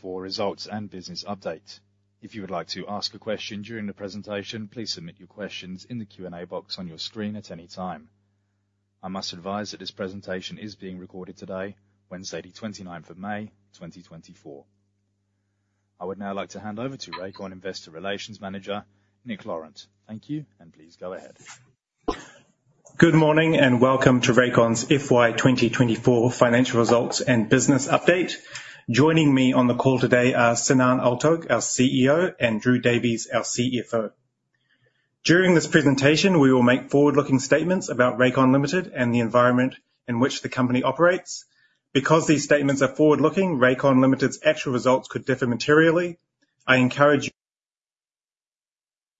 For results and business update. If you would like to ask a question during the presentation, please submit your questions in the Q&A box on your screen at any time. I must advise that this presentation is being recorded today, Wednesday, the 29th of May, 2024. I would now like to hand over to Rakon Investor Relations Manager, Nick Laurent. Thank you, and please go ahead. Good morning, and welcome to Rakon's FY 2024 financial results and business update. Joining me on the call today are Sinan Altug, our CEO, and Drew Davies, our CFO. During this presentation, we will make forward-looking statements about Rakon Limited and the environment in which the company operates. Because these statements are forward-looking, Rakon Limited's actual results could differ materially. I encourage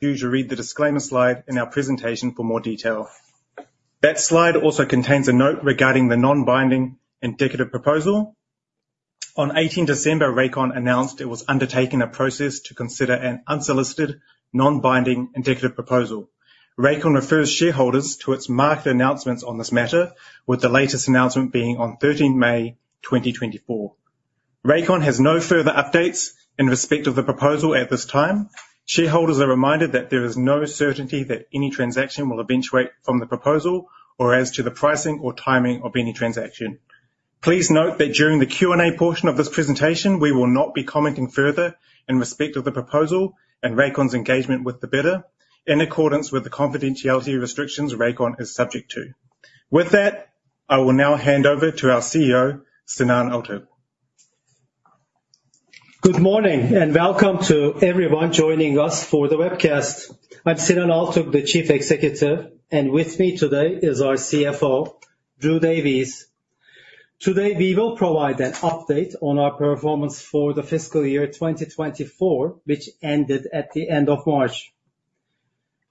you to read the disclaimer slide in our presentation for more detail. That slide also contains a note regarding the non-binding indicative proposal. On 18 December, Rakon announced it was undertaking a process to consider an unsolicited, non-binding indicative proposal. Rakon refers shareholders to its market announcements on this matter, with the latest announcement being on 13 May 2024. Rakon has no further updates in respect of the proposal at this time. Shareholders are reminded that there is no certainty that any transaction will eventuate from the proposal or as to the pricing or timing of any transaction. Please note that during the Q&A portion of this presentation, we will not be commenting further in respect of the proposal and Rakon's engagement with the bidder, in accordance with the confidentiality restrictions Rakon is subject to. With that, I will now hand over to our CEO, Sinan Altug. Good morning, and welcome to everyone joining us for the webcast. I'm Sinan Altug, the Chief Executive, and with me today is our CFO, Drew Davies. Today, we will provide an update on our performance for the fiscal year 2024, which ended at the end of March.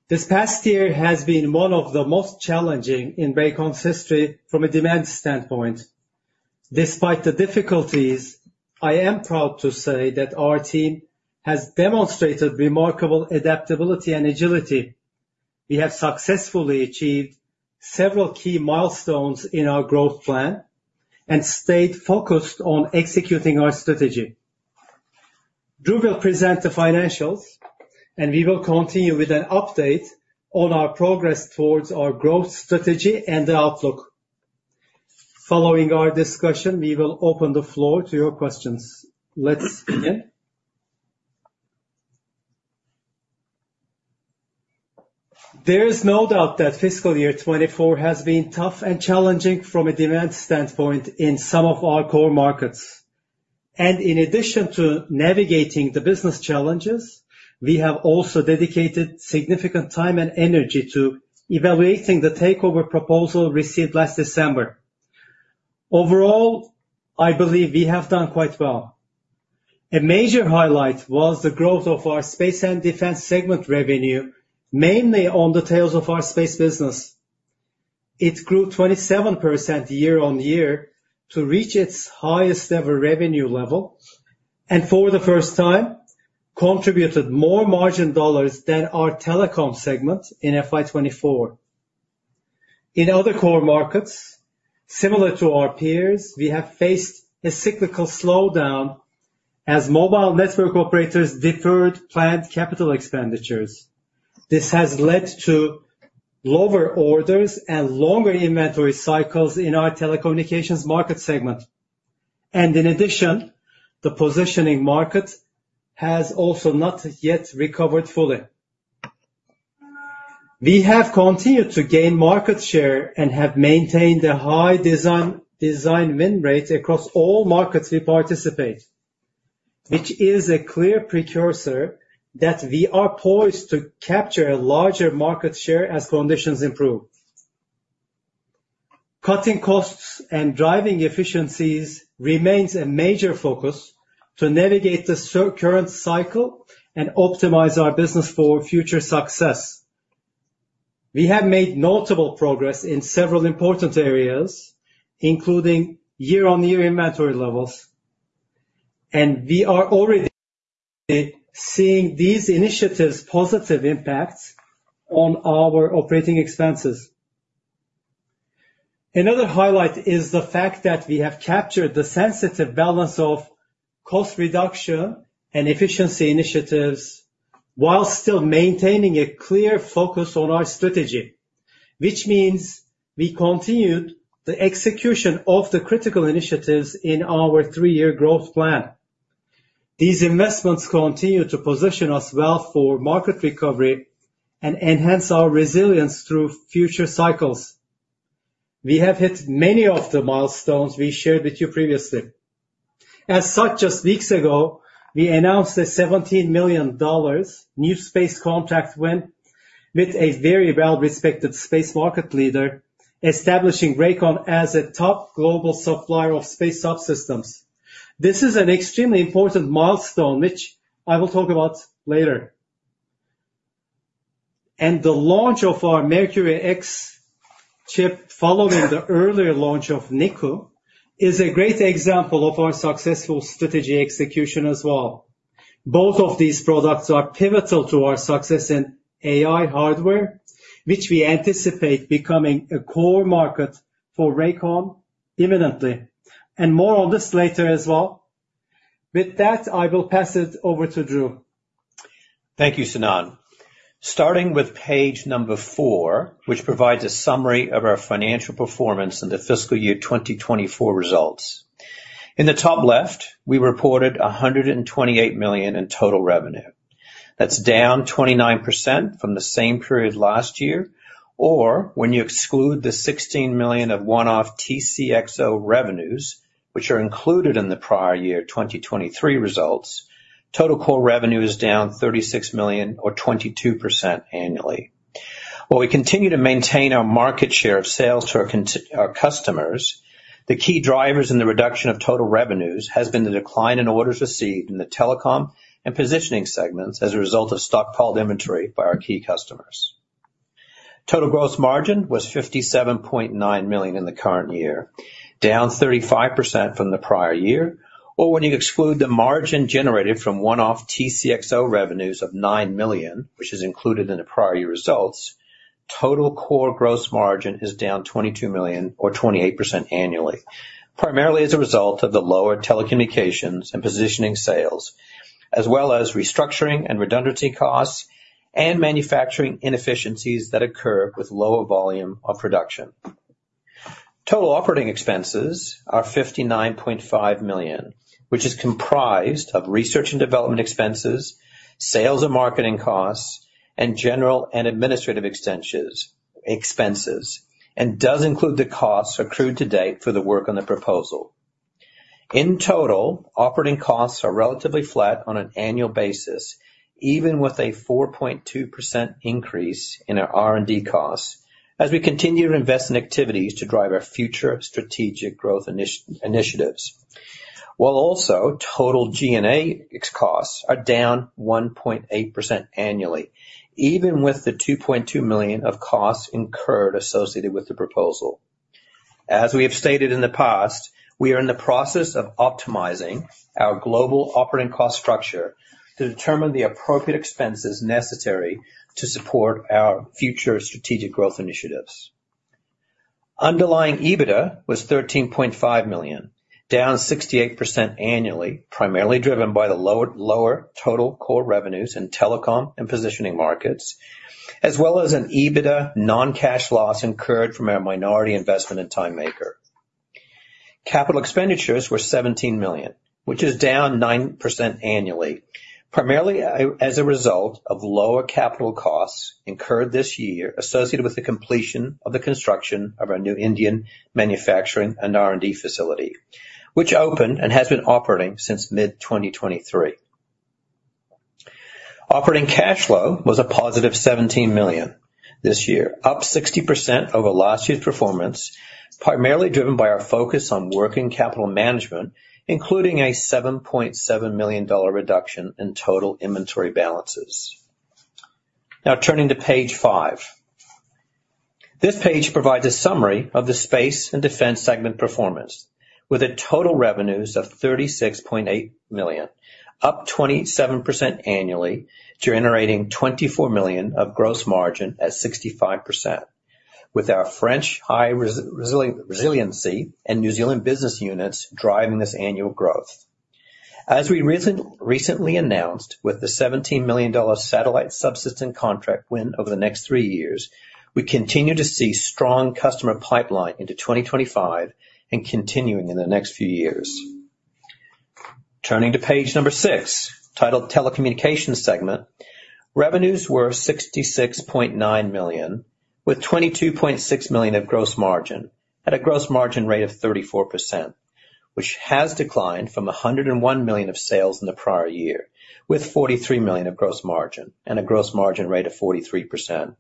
This past year has been one of the most challenging in Rakon's history from a demand standpoint. Despite the difficulties, I am proud to say that our team has demonstrated remarkable adaptability and agility. We have successfully achieved several key milestones in our growth plan and stayed focused on executing our strategy. Drew will present the financials, and we will continue with an update on our progress towards our growth strategy and the outlook. Following our discussion, we will open the floor to your questions. Let's begin. There is no doubt that fiscal year 2024 has been tough and challenging from a demand standpoint in some of our core markets, and in addition to navigating the business challenges, we have also dedicated significant time and energy to evaluating the takeover proposal received last December. Overall, I believe we have done quite well. A major highlight was the growth of our Space and Defense segment revenue, mainly on the tails of our space business. It grew 27% year-on-year to reach its highest ever revenue level, and for the first time, contributed more margin dollars than our telecom segment in FY 2024. In other core markets, similar to our peers, we have faced a cyclical slowdown as mobile network operators deferred planned capital expenditures. This has led to lower orders and longer inventory cycles in our telecommunications market segment, and in addition, the positioning market has also not yet recovered fully. We have continued to gain market share and have maintained a high design, design win rate across all markets we participate, which is a clear precursor that we are poised to capture a larger market share as conditions improve. Cutting costs and driving efficiencies remains a major focus to navigate the current cycle and optimize our business for future success. We have made notable progress in several important areas, including year-on-year inventory levels, and we are already seeing these initiatives' positive impacts on our operating expenses. Another highlight is the fact that we have captured the sensitive balance of cost reduction and efficiency initiatives while still maintaining a clear focus on our strategy, which means we continued the execution of the critical initiatives in our three-year growth plan. These investments continue to position us well for market recovery and enhance our resilience through future cycles. We have hit many of the milestones we shared with you previously. As such, just weeks ago, we announced a $17 million NewSpace contract win with a very well-respected space market leader, establishing Rakon as a top global supplier of space subsystems. This is an extremely important milestone, which I will talk about later. And the launch of our MercuryX chip, following the earlier launch of Niku, is a great example of our successful strategy execution as well. Both of these products are pivotal to our success in AI hardware, which we anticipate becoming a core market for Rakon imminently, and more on this later as well. With that, I will pass it over to Drew. Thank you, Sinan. Starting with page number 4, which provides a summary of our financial performance in the fiscal year 2024 results. In the top left, we reported 128 million in total revenue. That's down 29% from the same period last year, or when you exclude the 16 million of one-off TCXO revenues, which are included in the prior year, 2023 results, total core revenue is down 36 million or 22% annually. While we continue to maintain our market share of sales to our customers, the key drivers in the reduction of total revenues has been the decline in orders received in the telecom and positioning segments as a result of stockpiled inventory by our key customers. Total gross margin was 57.9 million in the current year, down 35% from the prior year, or when you exclude the margin generated from one-off TCXO revenues of 9 million, which is included in the prior year results, total core gross margin is down 22 million or 28% annually. Primarily as a result of the lower telecommunications and positioning sales, as well as restructuring and redundancy costs and manufacturing inefficiencies that occur with lower volume of production. Total operating expenses are 59.5 million, which is comprised of research and development expenses, sales and marketing costs, and general and administrative expenses, and does include the costs accrued to date for the work on the proposal. In total, operating costs are relatively flat on an annual basis, even with a 4.2% increase in our R&D costs as we continue to invest in activities to drive our future strategic growth initiatives. While also total G&A expenses are down 1.8% annually, even with the 2.2 million of costs incurred associated with the proposal. As we have stated in the past, we are in the process of optimizing our global operating cost structure to determine the appropriate expenses necessary to support our future strategic growth initiatives. Underlying EBITDA was 13.5 million, down 68% annually, primarily driven by the lower total core revenues in telecom and positioning markets, as well as an EBITDA non-cash loss incurred from our minority investment in Timemaker. Capital expenditures were 17 million, which is down 9% annually, primarily as a result of lower capital costs incurred this year associated with the completion of the construction of our new Indian manufacturing and R&D facility, which opened and has been operating since mid-2023. Operating cash flow was a positive 17 million this year, up 60% over last year's performance, primarily driven by our focus on working capital management, including a $7.7 million reduction in total inventory balances. Now, turning to page five. This page provides a summary of the Space and Defense segment performance, with the total revenues of 36.8 million, up 27% annually, generating 24 million of gross margin at 65%, with our French high resiliency and New Zealand business units driving this annual growth. As we recently announced, with the 17 million dollar satellite subsystem contract win over the next three years, we continue to see strong customer pipeline into 2025 and continuing in the next few years. Turning to page 6, titled Telecommunications Segment. Revenues were 66.9 million, with 22.6 million of gross margin at a gross margin rate of 34%, which has declined from 101 million of sales in the prior year, with 43 million of gross margin and a gross margin rate of 43%.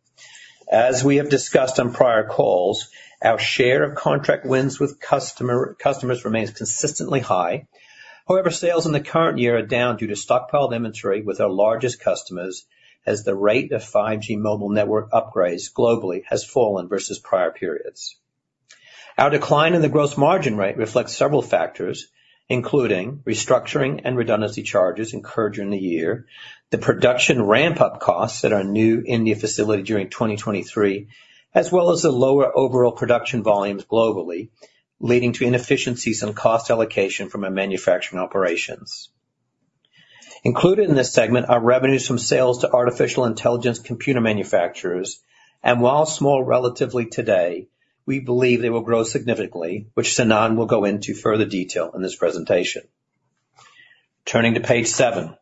As we have discussed on prior calls, our share of contract wins with customers remains consistently high. However, sales in the current year are down due to stockpiled inventory with our largest customers, as the rate of 5G mobile network upgrades globally has fallen versus prior periods. Our decline in the gross margin rate reflects several factors, including restructuring and redundancy charges incurred during the year, the production ramp-up costs at our new India facility during 2023, as well as the lower overall production volumes globally, leading to inefficiencies and cost allocation from our manufacturing operations. Included in this segment are revenues from sales to artificial intelligence computer manufacturers, and while small, relatively today, we believe they will grow significantly, which Sinan will go into further detail in this presentation. Turning to page 7.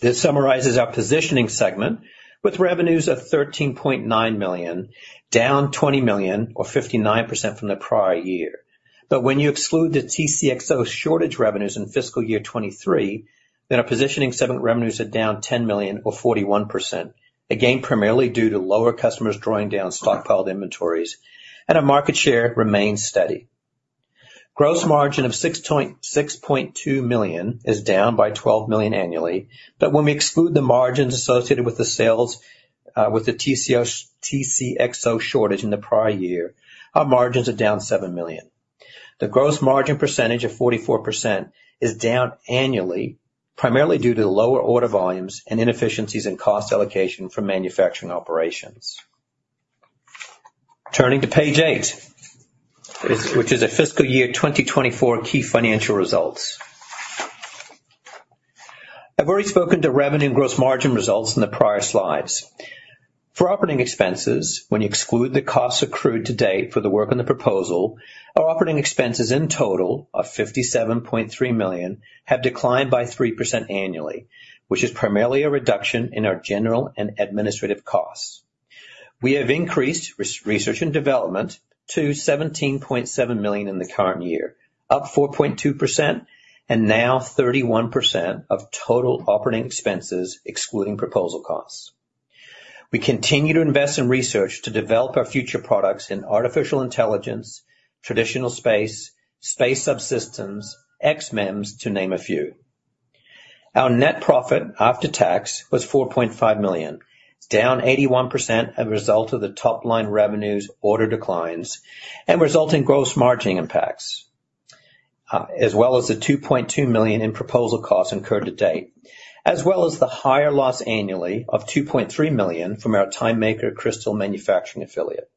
This summarizes our positioning segment with revenues of 13.9 million, down 20 million or 59% from the prior year. But when you exclude the TCXO shortage revenues in fiscal year 2023, then our positioning segment revenues are down 10 million or 41%, again, primarily due to lower customers drawing down stockpiled inventories, and our market share remains steady. Gross margin of 6.2 million is down by 12 million annually, but when we exclude the margins associated with the sales with the TCXO shortage in the prior year, our margins are down 7 million. The gross margin percentage of 44% is down annually, primarily due to lower order volumes and inefficiencies in cost allocation from manufacturing operations. Turning to page 8, which is a fiscal year 2024 key financial results. I've already spoken to revenue and gross margin results in the prior slides. For operating expenses, when you exclude the costs accrued to date for the work on the proposal, our operating expenses in total of 57.3 million have declined by 3% annually, which is primarily a reduction in our general and administrative costs. We have increased research and development to 17.7 million in the current year, up 4.2% and now 31% of total operating expenses, excluding proposal costs. We continue to invest in research to develop our future products in artificial intelligence, traditional space, space subsystems, xMEMS, to name a few. Our net profit after tax was 4.5 million. It's down 81% as a result of the top line revenues order declines and resulting gross margin impacts, as well as the 2.2 million in proposal costs incurred to date, as well as the higher loss annually of 2.3 million from our Timemaker crystal manufacturing affiliate.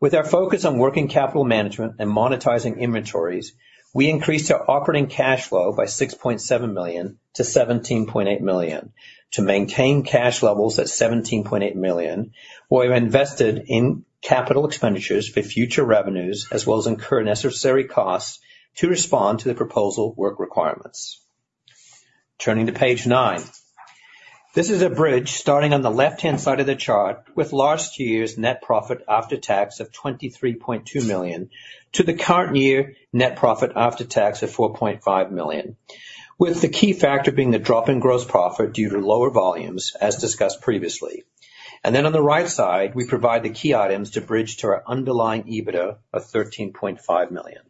With our focus on working capital management and monetizing inventories, we increased our operating cash flow by 6.7 million to 17.8 million. To maintain cash levels at 17.8 million, we have invested in capital expenditures for future revenues, as well as incurred necessary costs to respond to the proposal work requirements. Turning to page nine. This is a bridge starting on the left-hand side of the chart with last year's net profit after tax of 23.2 million, to the current year net profit after tax of 4.5 million, with the key factor being the drop in gross profit due to lower volumes, as discussed previously. Then on the right side, we provide the key items to bridge to our underlying EBITDA of 13.5 million.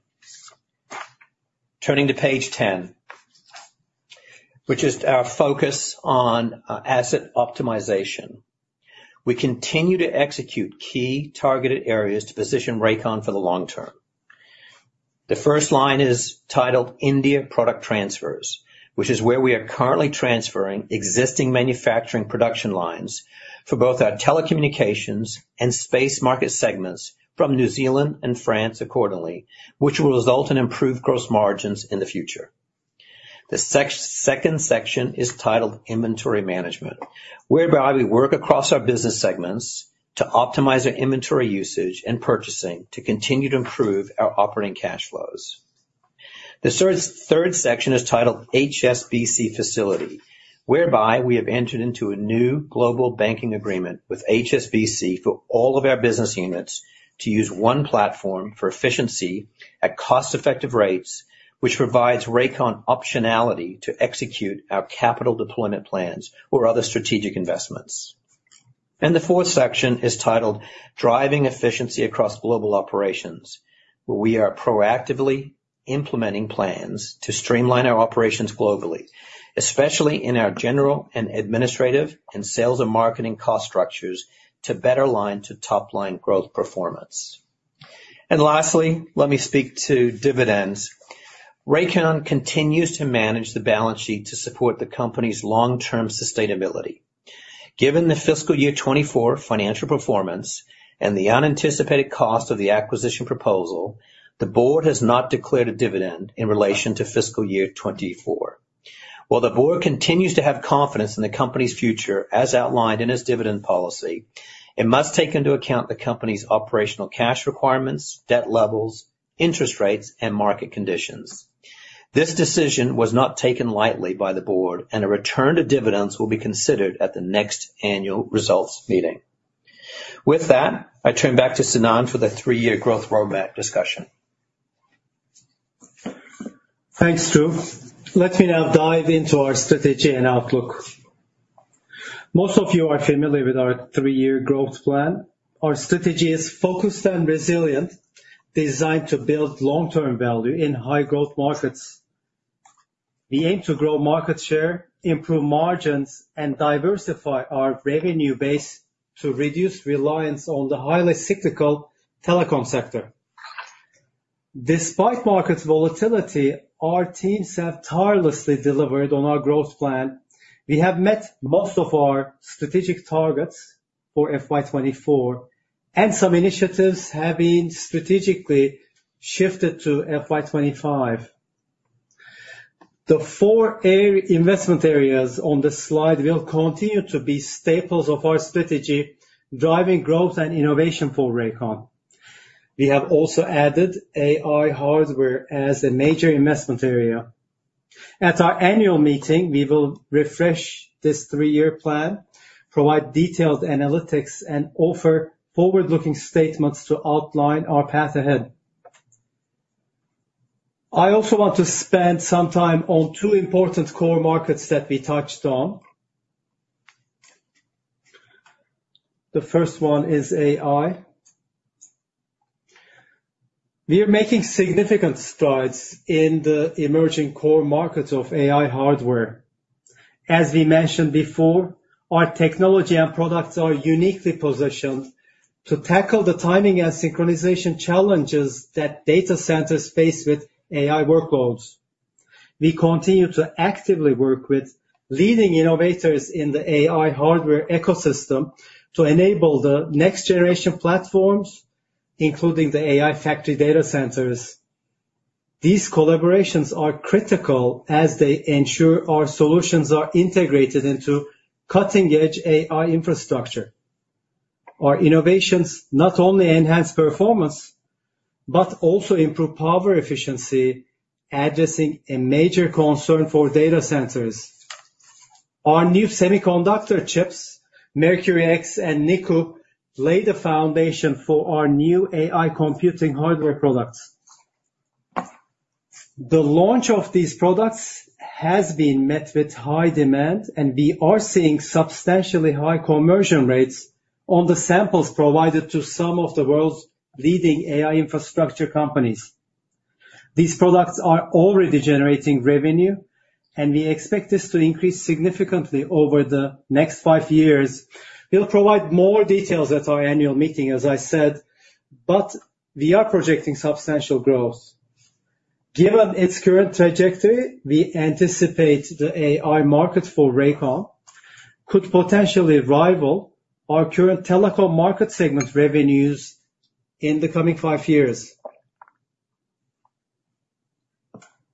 Turning to page ten, which is our focus on asset optimization. We continue to execute key targeted areas to position Rakon for the long term. The first line is titled India Product Transfers, which is where we are currently transferring existing manufacturing production lines for both our telecommunications and space market segments from New Zealand and France accordingly, which will result in improved gross margins in the future. The second section is titled Inventory Management, whereby we work across our business segments to optimize our inventory usage and purchasing to continue to improve our operating cash flows. The third section is titled HSBC Facility, whereby we have entered into a new global banking agreement with HSBC for all of our business units to use one platform for efficiency at cost-effective rates, which provides Rakon optionality to execute our capital deployment plans or other strategic investments. The fourth section is titled Driving Efficiency Across Global Operations, where we are proactively implementing plans to streamline our operations globally, especially in our general and administrative, and sales and marketing cost structures, to better align to top-line growth performance. Lastly, let me speak to dividends. Rakon continues to manage the balance sheet to support the company's long-term sustainability. Given the fiscal year 2024 financial performance and the unanticipated cost of the acquisition proposal, the board has not declared a dividend in relation to fiscal year 2024. While the board continues to have confidence in the company's future, as outlined in its dividend policy, it must take into account the company's operational cash requirements, debt levels, interest rates, and market conditions. This decision was not taken lightly by the board, and a return to dividends will be considered at the next annual results meeting. With that, I turn back to Sinan for the three-year growth roadmap discussion. Thanks, Drew. Let me now dive into our strategy and outlook. Most of you are familiar with our three-year growth plan. Our strategy is focused and resilient, designed to build long-term value in high-growth markets. We aim to grow market share, improve margins, and diversify our revenue base to reduce reliance on the highly cyclical telecom sector. Despite market volatility, our teams have tirelessly delivered on our growth plan. We have met most of our strategic targets for FY 2024, and some initiatives have been strategically shifted to FY 2025. The four area- investment areas on this slide will continue to be staples of our strategy, driving growth and innovation for Rakon. We have also added AI hardware as a major investment area. At our annual meeting, we will refresh this three-year plan, provide detailed analytics, and offer forward-looking statements to outline our path ahead. I also want to spend some time on two important core markets that we touched on. The first one is AI. We are making significant strides in the emerging core markets of AI hardware. As we mentioned before, our technology and products are uniquely positioned to tackle the timing and synchronization challenges that data centers face with AI workloads. We continue to actively work with leading innovators in the AI hardware ecosystem to enable the next generation platforms, including the AI factory data centers. These collaborations are critical as they ensure our solutions are integrated into cutting-edge AI infrastructure. Our innovations not only enhance performance, but also improve power efficiency, addressing a major concern for data centers. Our new semiconductor chips, MercuryX and Niku, lay the foundation for our new AI computing hardware products. The launch of these products has been met with high demand, and we are seeing substantially high conversion rates on the samples provided to some of the world's leading AI infrastructure companies. These products are already generating revenue, and we expect this to increase significantly over the next five years. We'll provide more details at our annual meeting, as I said, but we are projecting substantial growth. Given its current trajectory, we anticipate the AI market for Rakon could potentially rival our current telecom market segment revenues in the coming five years.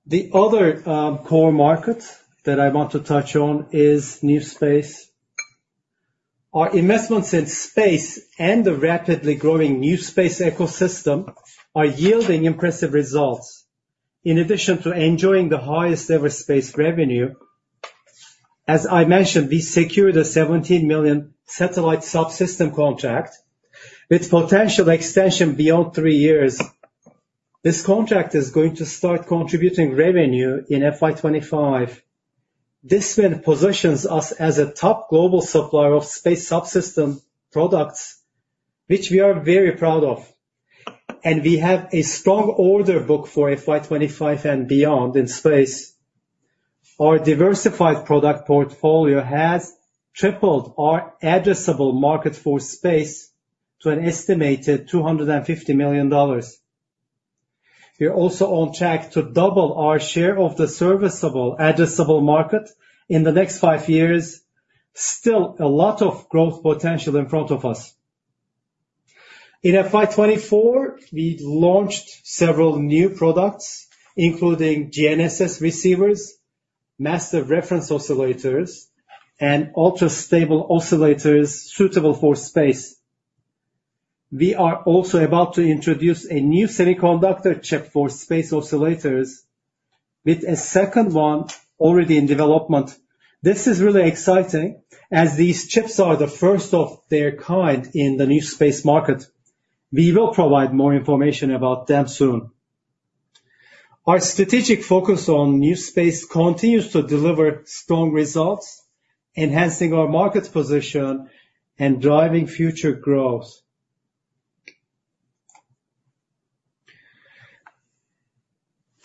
The other, core market that I want to touch on is NewSpace. Our investments in space and the rapidly growing NewSpace ecosystem are yielding impressive results. In addition to enjoying the highest ever space revenue, as I mentioned, we secured a 17 million satellite subsystem contract with potential extension beyond three years. This contract is going to start contributing revenue in FY 25. This one positions us as a top global supplier of space subsystem products, which we are very proud of, and we have a strong order book for FY 25 and beyond in space. Our diversified product portfolio has tripled our addressable market for space to an estimated $250 million. We are also on track to double our share of the serviceable addressable market in the next 5 years. Still, a lot of growth potential in front of us. In FY 24, we launched several new products, including GNSS receivers, master reference oscillators, and ultra-stable oscillators suitable for space. We are also about to introduce a new semiconductor chip for space oscillators, with a second one already in development. This is really exciting, as these chips are the first of their kind in the NewSpace market. We will provide more information about them soon. Our strategic focus on NewSpace continues to deliver strong results, enhancing our market position and driving future growth.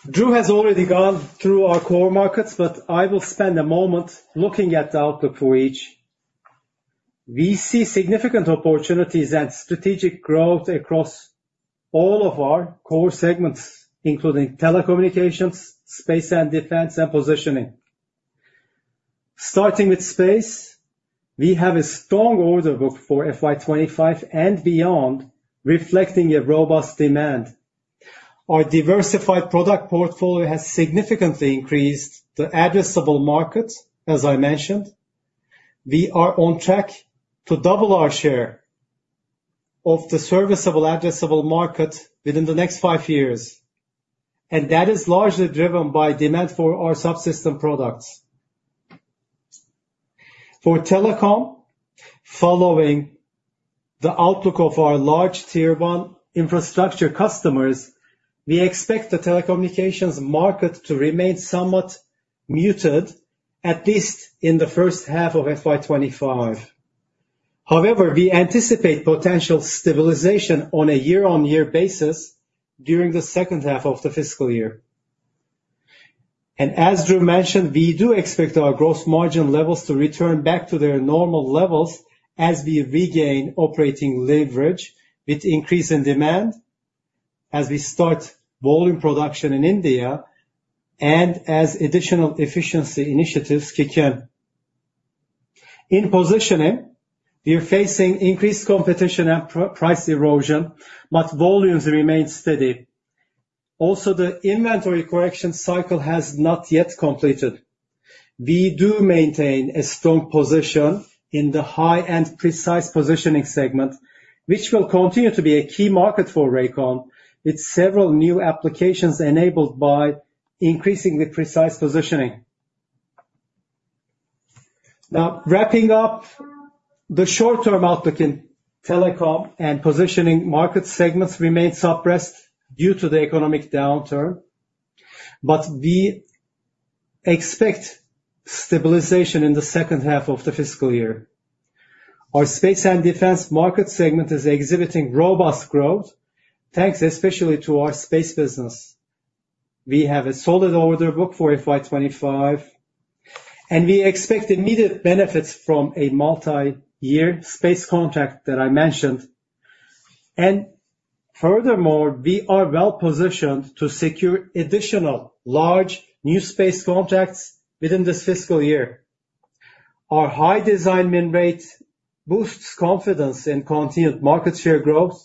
Drew has already gone through our core markets, but I will spend a moment looking at the outlook for each. We see significant opportunities and strategic growth across all of our core segments, including telecommunications, Space and Defense, and positioning. Starting with space, we have a strong order book for FY 25 and beyond, reflecting a robust demand. Our diversified product portfolio has significantly increased the addressable market, as I mentioned. We are on track to double our share of the serviceable addressable market within the next five years, and that is largely driven by demand for our subsystem products. For telecom, following the outlook of our large tier one infrastructure customers, we expect the telecommunications market to remain somewhat muted, at least in the first half of FY 25. However, we anticipate potential stabilization on a year-on-year basis during the second half of the fiscal year. And as Drew mentioned, we do expect our gross margin levels to return back to their normal levels as we regain operating leverage with increase in demand, as we start volume production in India, and as additional efficiency initiatives kick in. In positioning, we are facing increased competition and price erosion, but volumes remain steady. Also, the inventory correction cycle has not yet completed. We do maintain a strong position in the high-end precise positioning segment, which will continue to be a key market for Rakon, with several new applications enabled by increasingly precise positioning. Now, wrapping up, the short-term outlook in telecom and positioning market segments remain suppressed due to the economic downturn, but we expect stabilization in the second half of the fiscal year. Our Space and Defense market segment is exhibiting robust growth, thanks especially to our space business. We have a solid order book for FY 25, and we expect immediate benefits from a multi-year space contract that I mentioned. Furthermore, we are well positioned to secure additional large NewSpace contracts within this fiscal year. Our high design win rate boosts confidence in continued market share growth,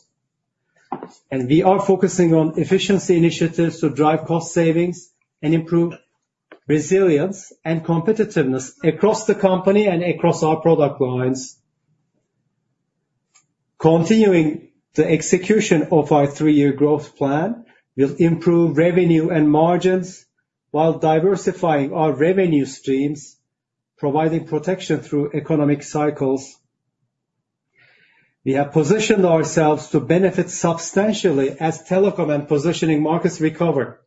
and we are focusing on efficiency initiatives to drive cost savings and improve resilience and competitiveness across the company and across our product lines. Continuing the execution of our three-year growth plan will improve revenue and margins while diversifying our revenue streams, providing protection through economic cycles. We have positioned ourselves to benefit substantially as telecom and positioning markets recover,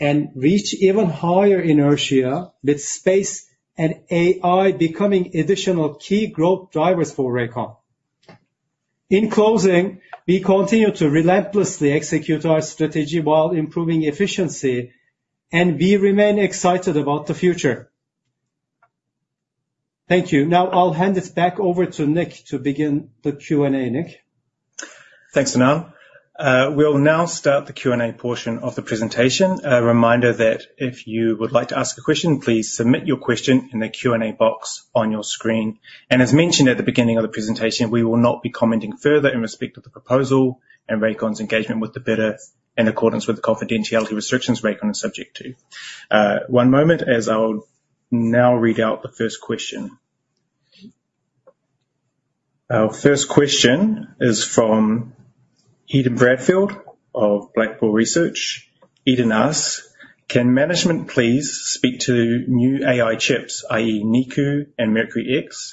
and reach even higher inertia, with space and AI becoming additional key growth drivers for Rakon. In closing, we continue to relentlessly execute our strategy while improving efficiency, and we remain excited about the future. Thank you. Now, I'll hand it back over to Nick to begin the Q&A. Nick? Thanks, Sinan. We'll now start the Q&A portion of the presentation. A reminder that if you would like to ask a question, please submit your question in the Q&A box on your screen. As mentioned at the beginning of the presentation, we will not be commenting further in respect of the proposal and Rakon's engagement with the bidder in accordance with the confidentiality restrictions Rakon is subject to. One moment as I'll now read out the first question. Our first question is from Eden Bradfield of Blackbull Markets. Eden asks: Can management please speak to new AI chips, i.e. Niku and MercuryX?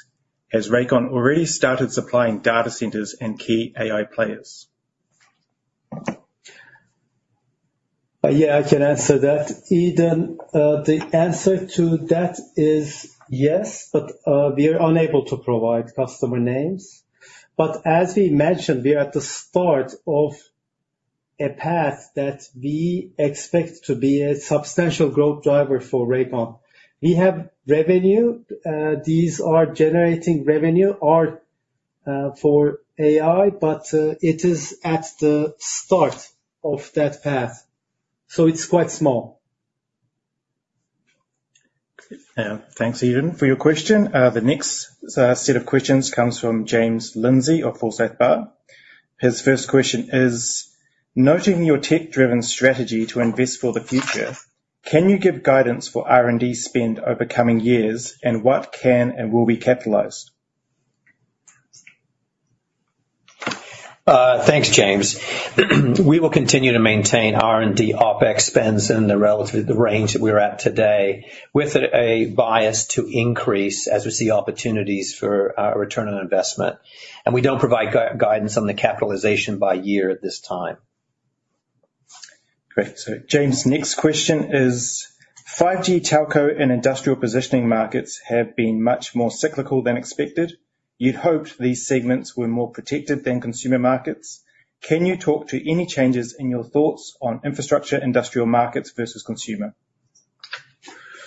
Has Rakon already started supplying data centers and key AI players? Yeah, I can answer that. Eden, the answer to that is yes, but, we are unable to provide customer names. But as we mentioned, we are at the start of a path that we expect to be a substantial growth driver for Rakon. We have revenue. These are generating revenue or, for AI, but, it is at the start of that path, so it's quite small. Thanks, Eden, for your question. The next set of questions comes from James Lindsay of Forsyth Barr. His first question is: Noting your tech-driven strategy to invest for the future, can you give guidance for R&D spend over coming years, and what can and will be capitalized? Thanks, James. We will continue to maintain R&D OpEx spends in the range that we're at today, with a bias to increase as we see opportunities for return on investment. We don't provide guidance on the capitalization by year at this time. Great. James's next question is: 5G telco and industrial positioning markets have been much more cyclical than expected. You'd hoped these segments were more protected than consumer markets. Can you talk to any changes in your thoughts on infrastructure, industrial markets versus consumer?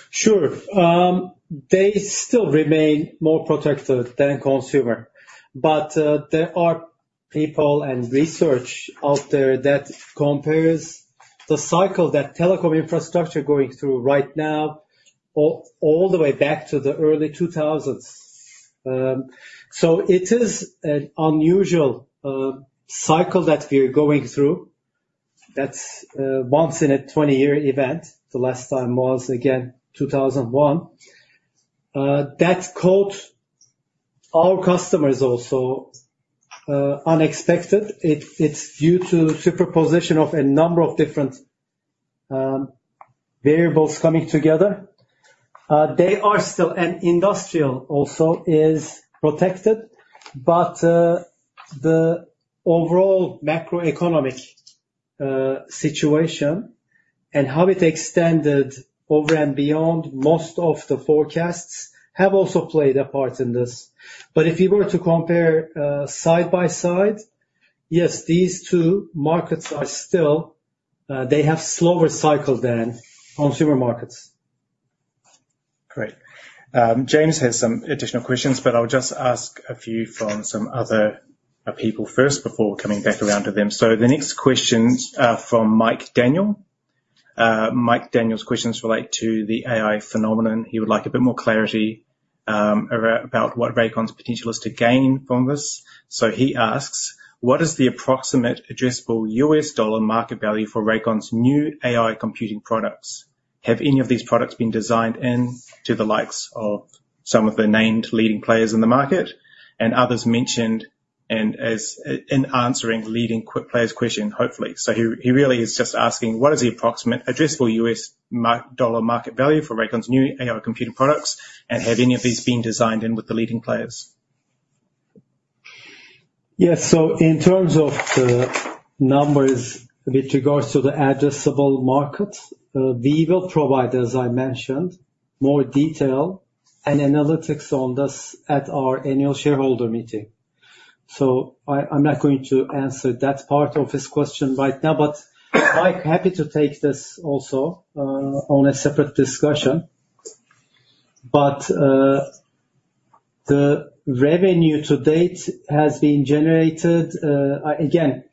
Sure. They still remain more protected than consumer, but there are people and research out there that compares the cycle that telecom infrastructure going through right now, all the way back to the early 2000s. So it is an unusual cycle that we're going through that's once in a 20-year event. The last time was, again, 2001. That caught our customers also unexpected. It's due to superposition of a number of different variables coming together. They are still, and industrial also is protected, but the overall macroeconomic situation and how it extended over and beyond most of the forecasts have also played a part in this. But if you were to compare side by side, yes, these two markets they have slower cycle than consumer markets. Great. James has some additional questions, but I'll just ask a few from some other people first before coming back around to them. So the next questions are from Mike Daniel. Mike Daniel's questions relate to the AI phenomenon. He would like a bit more clarity about what Rakon's potential is to gain from this. So he asks: What is the approximate addressable US dollar market value for Rakon's new AI computing products? Have any of these products been designed in to the likes of some of the named leading players in the market and others mentioned and as in answering leading players question, hopefully? So he really is just asking, what is the approximate addressable US dollar market value for Rakon's new AI computing products, and have any of these been designed in with the leading players? Yes, so in terms of the numbers with regards to the addressable market, we will provide, as I mentioned, more detail and analytics on this at our annual shareholder meeting. So I'm not going to answer that part of this question right now, but I'm happy to take this also on a separate discussion. But the revenue to date has been generated again,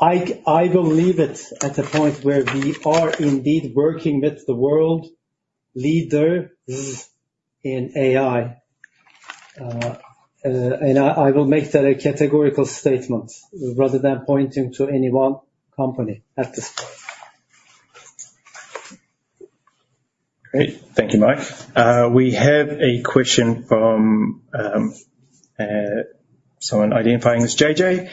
I will leave it at the point where we are indeed working with the world leaders in AI. And I will make that a categorical statement, rather than pointing to any one company at this point. Great. Thank you, Mike. We have a question from someone identifying as JJ.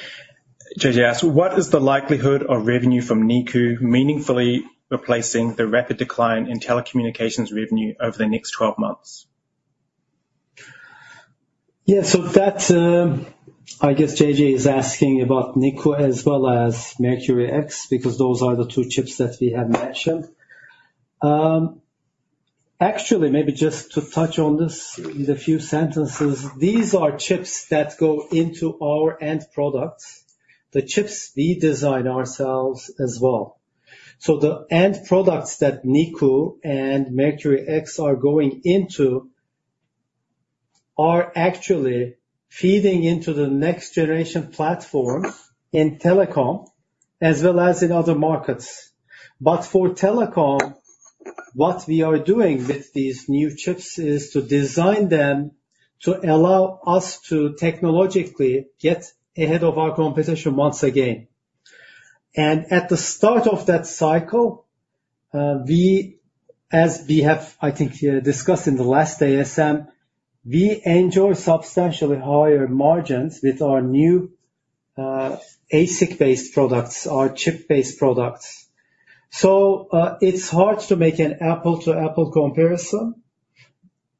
JJ asks: "What is the likelihood of revenue from Niku meaningfully replacing the rapid decline in telecommunications revenue over the next 12 months? Yeah, so that, I guess JJ is asking about Niku as well as Mercury-X, because those are the two chips that we have mentioned. Actually, maybe just to touch on this in a few sentences, these are chips that go into our end products, the chips we design ourselves as well. So the end products that Niku and Mercury-X are going into are actually feeding into the next generation platforms in telecom, as well as in other markets. But for telecom, what we are doing with these new chips is to design them to allow us to technologically get ahead of our competition once again. And at the start of that cycle, we, as we have, I think, discussed in the last ASM, we enjoy substantially higher margins with our new, ASIC-based products, our chip-based products. So, it's hard to make an apple-to-apple comparison,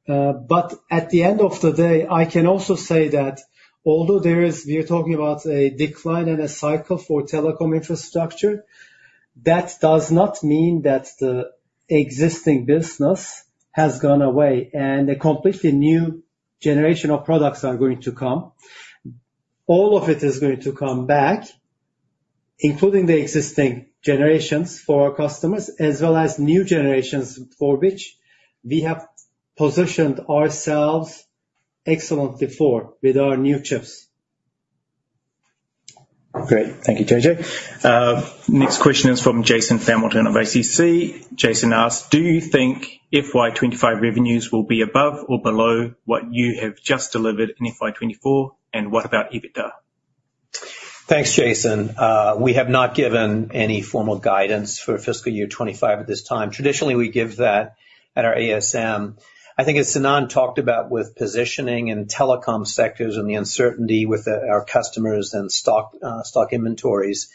but at the end of the day, I can also say that although we are talking about a decline and a cycle for telecom infrastructure, that does not mean that the existing business has gone away, and a completely new generation of products are going to come. All of it is going to come back, including the existing generations for our customers, as well as new generations, for which we have positioned ourselves excellently for, with our new chips. Great. Thank you, JJ. Next question is from Jason Hamilton of ACC. Jason asks: "Do you think FY 2025 revenues will be above or below what you have just delivered in FY 2024, and what about EBITDA? Thanks, Jason. We have not given any formal guidance for fiscal year 25 at this time. Traditionally, we give that at our ASM. I think, as Sinan talked about with positioning and telecom sectors and the uncertainty with the, our customers and stock, stock inventories,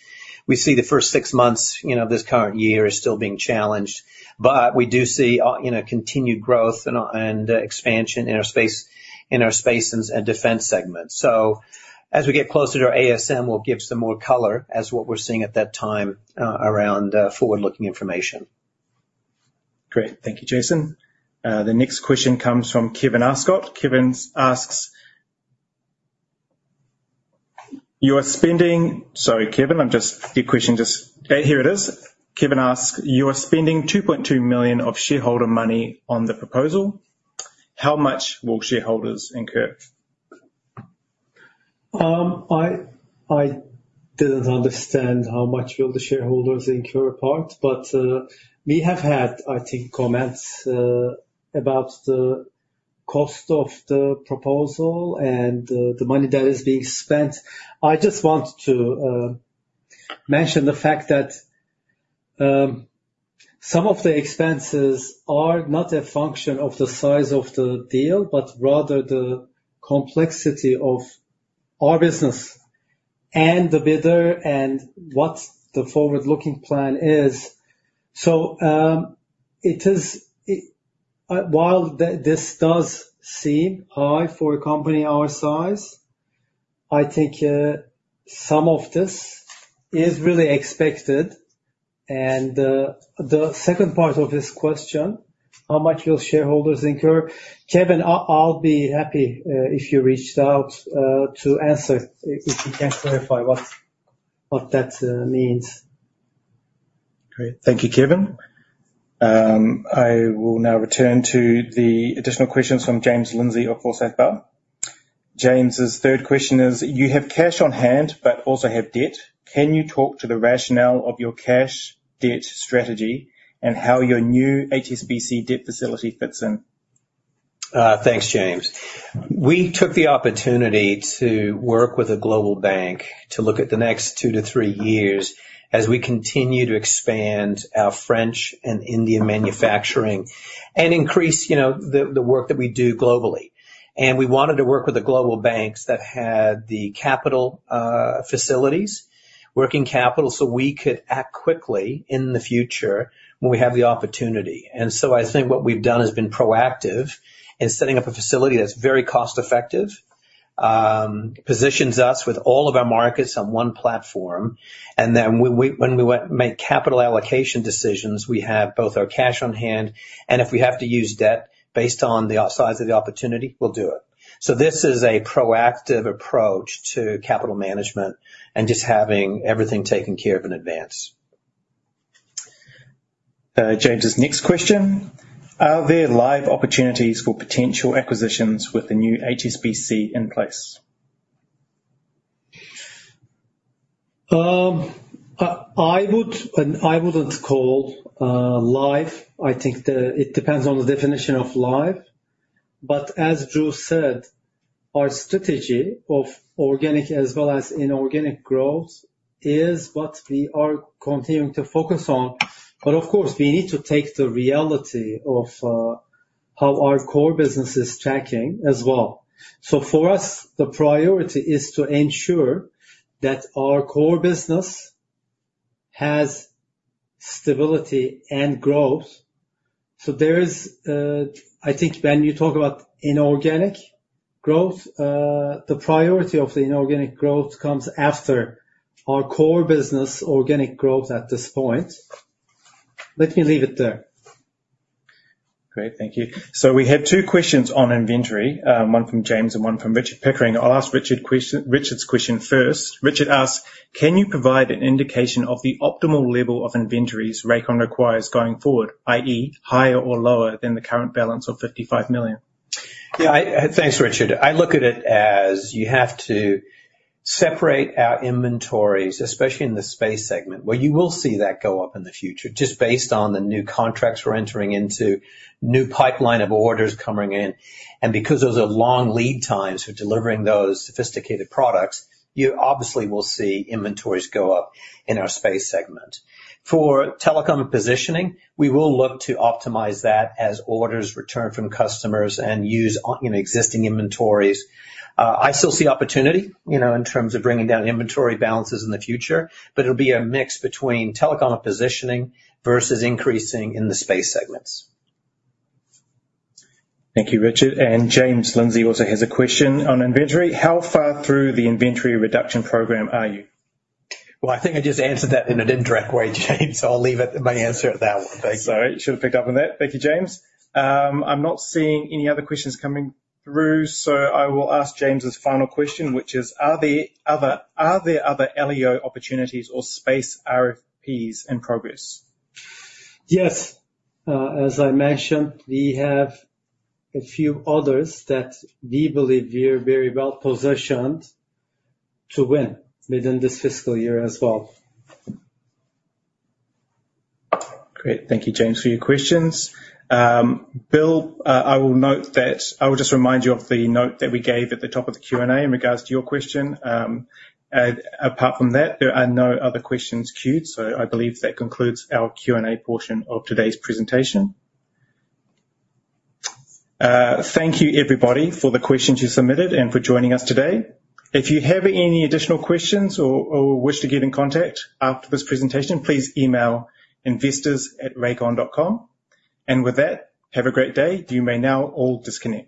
we see the first six months this current year is still being challenged, but we do see continued growth and, and expansion in our space, in our space and, and defense segment. So as we get closer to our ASM, we'll give some more color as what we're seeing at that time, around, forward-looking information. Great. Thank you, Jason. The next question comes from Kevin Arscott. Kevin asks: "You are spending..." Sorry, Kevin, I'm just... Your question just-- here it is. Kevin asks: "You are spending 2.2 million of shareholder money on the proposal. How much will shareholders incur? I didn't understand how much will the shareholders incur part, but we have had, I think, comments about the cost of the proposal and the money that is being spent. I just want to mention the fact that some of the expenses are not a function of the size of the deal, but rather the complexity of our business and the bidder and what the forward-looking plan is. So, while this does seem high for a company our size, I think some of this is really expected. And the second part of this question, how much will shareholders incur? Kevin, I'll be happy if you reached out to answer, if you can clarify what that means. Great. Thank you, Kevin. I will now return to the additional questions from James Lindsay of Forsyth Barr. James's third question is: "You have cash on hand, but also have debt. Can you talk to the rationale of your cash debt strategy and how your new HSBC debt facility fits in? Thanks, James. We took the opportunity to work with a global bank to look at the next 2-3 years as we continue to expand our French and Indian manufacturing and increase the work that we do globally. We wanted to work with the global banks that had the capital facilities, working capital, so we could act quickly in the future when we have the opportunity. So I think what we've done has been proactive in setting up a facility that's very cost effective, positions us with all of our markets on one platform, and then when we make capital allocation decisions, we have both our cash on hand, and if we have to use debt based on the size of the opportunity, we'll do it. So this is a proactive approach to capital management and just having everything taken care of in advance. James' next question: Are there live opportunities for potential acquisitions with the new HSBC in place? I wouldn't call it live. I think it depends on the definition of live, but as Drew said, our strategy of organic as well as inorganic growth is what we are continuing to focus on. But of course, we need to take the reality of how our core business is tracking as well. So for us, the priority is to ensure that our core business has stability and growth. So there is, I think when you talk about inorganic growth, the priority of the inorganic growth comes after our core business organic growth at this point. Let me leave it there. Great, thank you. So we had two questions on inventory, one from James and one from Richard Pickering. I'll ask Richard's question first. Richard asks: Can you provide an indication of the optimal level of inventories Rakon requires going forward, i.e., higher or lower than the current balance of 55 million? Yeah, thanks, Richard. I look at it as you have to separate our inventories, especially in the space segment, where you will see that go up in the future, just based on the new contracts we're entering into, new pipeline of orders coming in, and because those are long lead times for delivering those sophisticated products, you obviously will see inventories go up in our space segment. For telecom positioning, we will look to optimize that as orders return from customers and use existing inventories. I still see opportunity in terms of bringing down inventory balances in the future, but it'll be a mix between telecom positioning versus increasing in the space segments. Thank you, Richard. And James Lindsay also has a question on inventory: How far through the inventory reduction program are you? Well, I think I just answered that in an indirect way, James, so I'll leave it my answer at that one. Thank you. Sorry. Should have picked up on that. Thank you, James. I'm not seeing any other questions coming through, so I will ask James' final question, which is: Are there other LEO opportunities or space RFPs in progress? Yes. As I mentioned, we have a few others that we believe we are very well positioned to win within this fiscal year as well. Great. Thank you, James, for your questions. Bill, I will note that... I will just remind you of the note that we gave at the top of the Q&A in regards to your question. Apart from that, there are no other questions queued, so I believe that concludes our Q&A portion of today's presentation. Thank you, everybody, for the questions you submitted and for joining us today. If you have any additional questions or, or wish to get in contact after this presentation, please email investors@rakon.com. And with that, have a great day. You may now all disconnect.